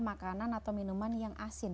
makanan atau minuman yang asin